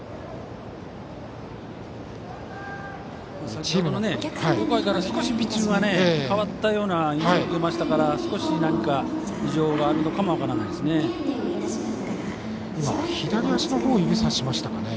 先ほどの回から少しピッチングが変わったような印象を受けましたから少し異常があるのかもしれませんね。